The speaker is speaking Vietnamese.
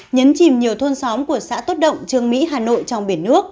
nhấn chìm nhiều thôn xóm của xã tốt động trường mỹ hà nội trong biển nước